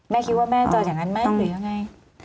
แม่คิดว่าแม่เจออย่างนั้นไหมหรือยังไง